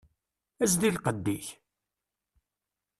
Zdi lqedd-ik!